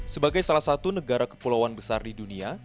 sebagai salah satu negara kepulauan besar di dunia